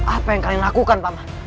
apa yang kalian lakukan paman